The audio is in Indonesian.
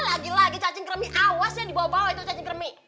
lagi lagi cacing gremik awas yang dibawa bawa itu cacing germi